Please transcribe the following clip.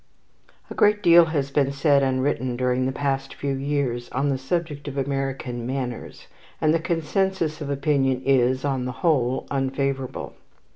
A great deal has been said and written during the past few years on the subject of American manners, and the consensus of opinion is, on the whole, unfavourable.